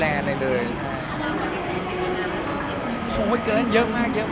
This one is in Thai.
อยากเล่นละครไหม